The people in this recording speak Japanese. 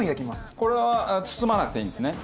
これは包まなくていいんですね？